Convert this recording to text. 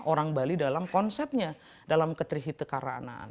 orang bali dalam konsepnya dalam ketrihitekaraanaan